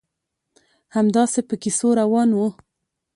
همداسې په کیسو روان وو.